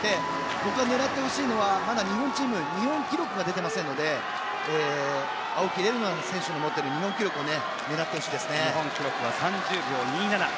僕が狙ってほしいのはまだ日本チーム日本記録が出てませんので青木玲緒樹選手の持っている日本記録を日本記録は３０秒２７。